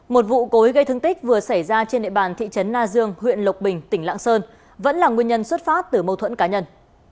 một vụ cối gây thương tích vừa xảy ra trên địa bàn thị trấn na dương huyện lộc bình tỉnh lạng sơn vẫn là nguyên nhân xuất phát từ mâu thuẫn cá nhân